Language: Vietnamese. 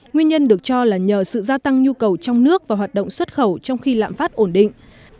nguyên nhân được cho là nhờ sự gia tăng nhu cầu trong nước và hoạt động xuất khẩu trong khi lạm phát ổn định